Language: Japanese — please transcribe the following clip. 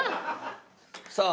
さあ。